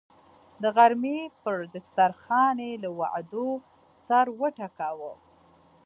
د غرمې پر دسترخان یې له وعدو سر وټکاوه.